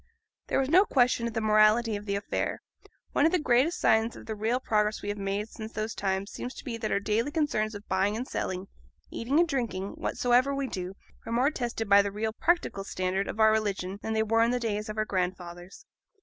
There was no question of the morality of the affair; one of the greatest signs of the real progress we have made since those times seems to be that our daily concerns of buying and selling, eating and drinking, whatsoever we do, are more tested by the real practical standard of our religion than they were in the days of our grandfathers.